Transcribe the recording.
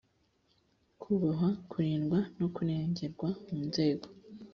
kubahwa kurindwa no kurengerwa mu nzego